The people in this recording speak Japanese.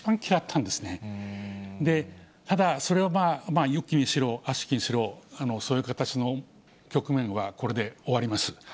ただそれはよきにしろ悪しきにしろ、そういう形の局面はこれで終わります。